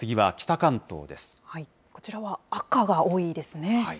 こちらは赤が多いですね。